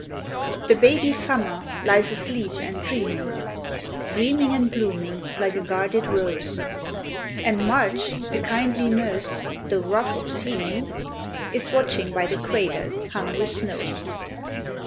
The baby Summer lies asleep and dreaming Dreaming and blooming like a guarded rose; And March, a kindly nurse, though rude of seeming, Is watching by the cradle hung with snows.